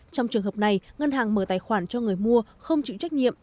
trong trường hợp này ngân hàng mở tài khoản cho người mua không chịu trách nhiệm